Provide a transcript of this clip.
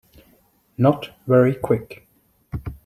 Not very Quick.